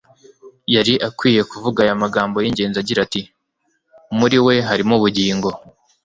yari akwiye kuvuga aya magambo y'ingenzi agira ati: "Muri we harimo ubugingo,